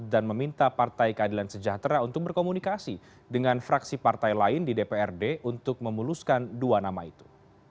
dan meminta partai keadilan sejahtera untuk berkomunikasi dengan fraksi partai lain di dprd untuk memuluskan dua nama itu